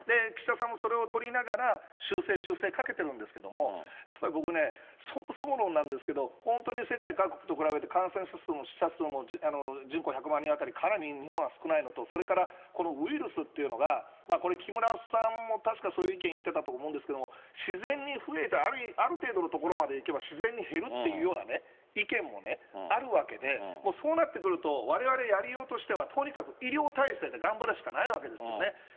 岸田さんもそれを取りながら、修正、修正かけてるんですけれども、やっぱり僕ね、そもそも論なんですけど、本当に世界各国と比べて、感染者数も死者数も、人口１００万人当たり、かなり日本は少ないのと、それからこのウイルスっていうのが、これ、木村さんも確か、そういう意見言ってたと思うんですけれども、自然に増えて、ある程度のところまでいけば自然に減るというような意見もね、あるわけで、そうなってくると、われわれ、やりようとしては、とにかく医療体制で頑張れしかないわけですよね。